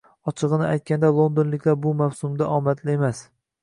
Ochig'ini aytganda, Londonliklar bu mavsumda omadli emas